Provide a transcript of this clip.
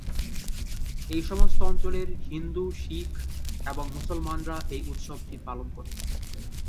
এই সমস্ত অঞ্চলের হিন্দু, শিখ এবং মুসলমানরা এই উৎসবটি পালন করে।